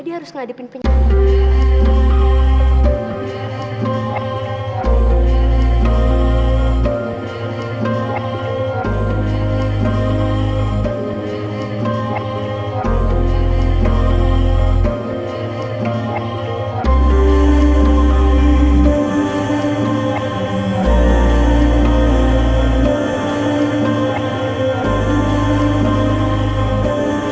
dia harus ngadepin penyakit